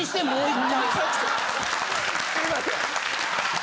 すいません。